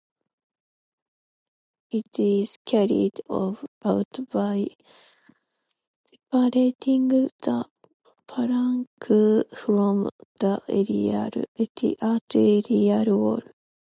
It is carried out by separating the plaque from the arterial wall.